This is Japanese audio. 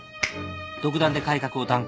独断で改革を断行。